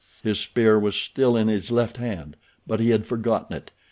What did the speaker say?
His spear was still in his left hand but he had forgotten it.